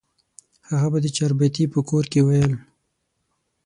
هغه به د چاربیتې په کور کې ویل.